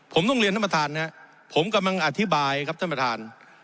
ผมต้องเรียนท่านประธานนะครับผมกำลังอธิบายครับท่านประธาน